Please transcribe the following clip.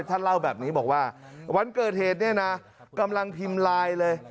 ท่านเล่าแบบนี้บอกว่าวันเกิดเหตุเนี่ยนะกำลังพิมพ์ไลน์เลย